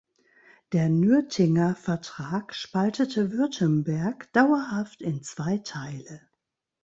Der Nürtinger Vertrag spaltete Württemberg dauerhaft in zwei Teile.